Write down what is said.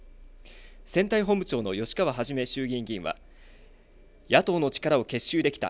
選対本部長の吉川衆議院議員は野党の力を結集できた。